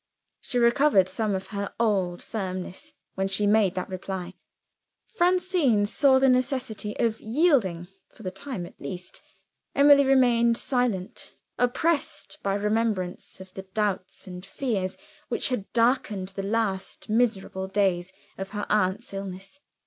She recovered some of her old firmness, when she made that reply. Francine saw the necessity of yielding for the time at least, Emily remained silent, oppressed by remembrance of the doubts and fears which had darkened the last miserable days of her aunt's illness.